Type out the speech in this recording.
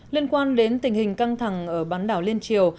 liên quan đến tình hình căng thẳng ở bán đảo liên triều